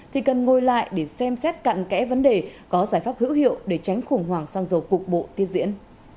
thì cần ngồi lại để xem xét cạn kẽ vấn đề có giải pháp hữu hiệu để tránh khủng hoảng xăng dầu cục bộ tiếp diễn